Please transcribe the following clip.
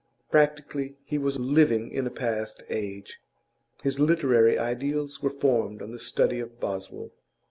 Practically he was living in a past age; his literary ideals were formed on the study of Boswell.